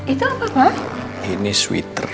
itu apa ini sweater